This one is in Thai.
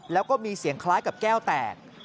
แล้วก็มีเสียงคล้ายกับแก้วแตก